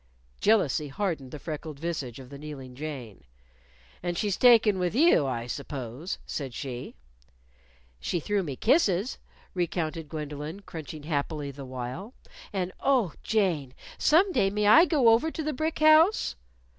Jealousy hardened the freckled visage of the kneeling Jane. "And she's taken with you, I suppose," said she. "She threw me kisses," recounted Gwendolyn, crunching happily the while. "And, oh, Jane, some day may I go over to the brick house?"